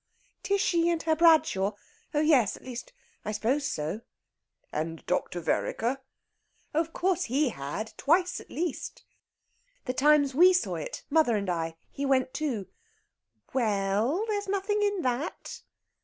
"Tishy and her Bradshaw? Oh yes at least, I suppose so." "And Dr. Vereker?" "Oh, of course he had twice at least. The times we saw it, mother and I. He went too.... We e e ell, there's nothing in that!"